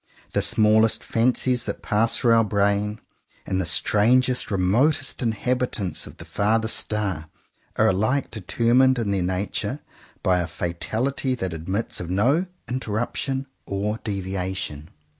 The smallest fancies that pass through our brain, and the strangest, re motest inhabitants of the farthest star, are alike determined in their nature by a fatality that admits of no interruption or 51 CONFESSIONS OF TWO BROTHERS deviation.